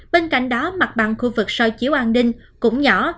bên cạnh đó mặt bằng khu vực soi chiếu an ninh cũng nhỏ